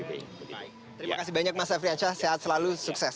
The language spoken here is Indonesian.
terima kasih banyak mas afriansyah sehat selalu sukses